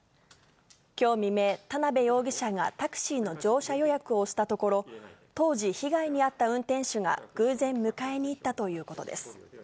きょう未明、田辺容疑者がタクシーの乗車予約をしたところ、当時、被害に遭った運転手が、偶然迎えにいったということです。